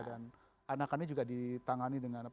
dan anakannya juga ditangani dengan